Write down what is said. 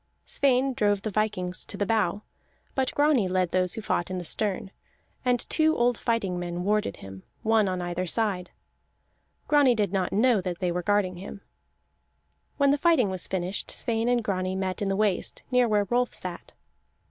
Sweyn drove the vikings to the bow; but Grani led those who fought in the stern, and two old fighting men warded him, one on either side. Grani did not know that they were guarding him. When the fighting was finished, Sweyn and Grani met in the waist, near where Rolf sat.